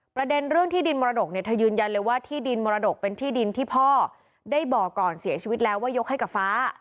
ประเด็นเรื่องที่ดินมรดกเนี่ยเธอยืนยันเลยว่าที่ดินมรดกเป็นที่ดินที่พ่อได้บอกก่อนเสียชีวิตแล้วว่ายกให้กับฟ้า